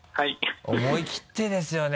思い切ってですよね。